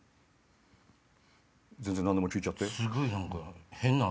全然何でも聞いちゃって。